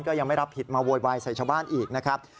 ก็ยังไม่รับผิดมาโวยวายใส่ชาวบ้านอีกนะครับ